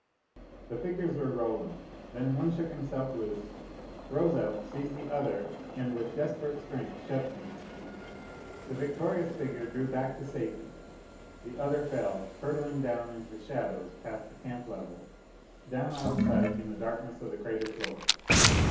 The figures were rolling; then one shook himself loose; rose up, seized the other and, with desperate strength, shoved him The victorious figure drew back to safety. The other fell, hurtling down into the shadows past the camp level down out of sight in the darkness of the crater floor.